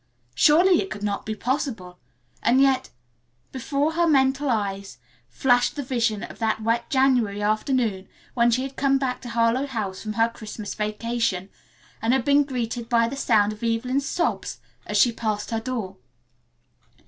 Surely it could not be possible, and yet before her mental eyes flashed the vision of that wet January afternoon when she had come back to Harlowe House from her Christmas vacation and had been greeted by the sound of Evelyn's sobs as she passed her door.